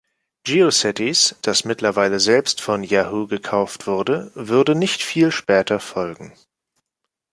GeoCities, das mittlerweile selbst von Yahoo! gekauft wurde, würde nicht viel später folgen.